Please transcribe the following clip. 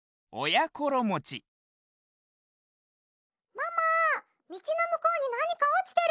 ママみちのむこうになにかおちてる。